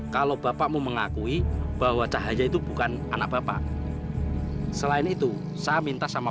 kalau cahaya itu bukan anak kandung saya